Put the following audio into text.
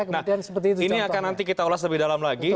nah ini akan nanti kita ulas lebih dalam lagi